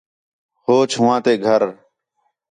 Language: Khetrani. ہوچ ہوآں تے گھر